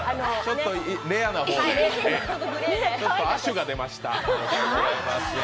ちょっとレアな、ちょっと亜種が出ました。